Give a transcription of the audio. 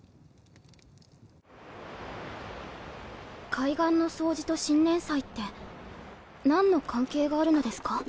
海岸の掃除と新年祭って何の関係があるのですか？